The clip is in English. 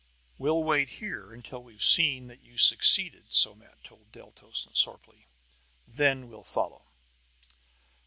"We'll wait here till we've seen that you've succeeded," Somat told Deltos and Sorplee. "Then we'll follow."